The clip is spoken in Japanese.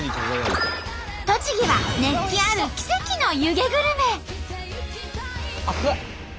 栃木は熱気ある奇跡の湯気グルメ。